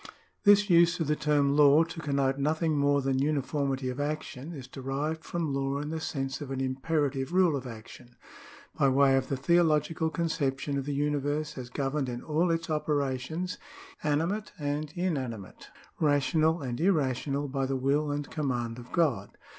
This use of the term law to connote nothing more than uniformity of action is derived from law in the sense of an imperative rule of action, by way of the theological conception of the universe as governed in all its operations (animate and inanimate, rational and irrational) by the will and command of God.